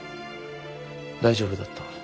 大丈夫だった。